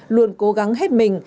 luôn cố gắng hết mình